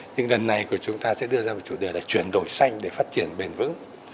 nhưng lần này của chúng ta sẽ đưa ra một chủ đề là chuyển đổi xanh để phát triển bền vững